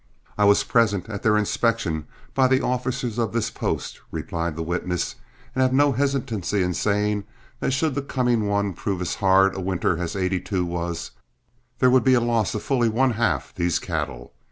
"I was present at their inspection by the officers of this post," replied the witness, "and have no hesitancy in saying that should the coming one prove as hard a winter as '82 was, there would be a loss of fully one half these cattle.